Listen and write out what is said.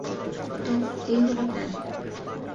তো, এই হলো প্ল্যান।